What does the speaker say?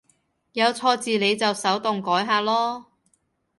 有錯字你就手動改下囉